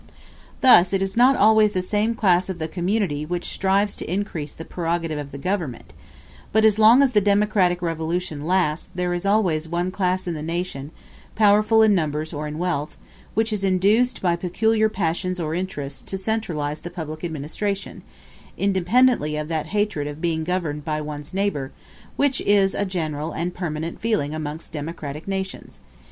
Thus it is not always the same class of the community which strives to increase the prerogative of the government; but as long as the democratic revolution lasts there is always one class in the nation, powerful in numbers or in wealth, which is induced, by peculiar passions or interests, to centralize the public administration, independently of that hatred of being governed by one's neighbor, which is a general and permanent feeling amongst democratic nations.